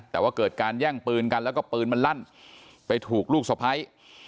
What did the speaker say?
แต่ว่าเกิดการแย่งปืนกันแล้วก็ปืนมันลั่นไปถูกลูกสะพ้าย